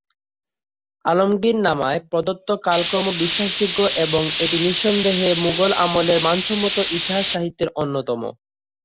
আলমগীরনামায় প্রদত্ত কালক্রম বিশ্বাসযোগ্য এবং এটি নিঃসন্দেহে মুগল আমলের মানসম্মত ইতিহাস সাহিত্যের অন্যতম।